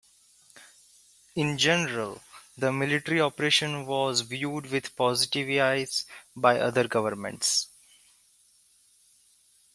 In general, the military operation was viewed with positive eyes by other governments.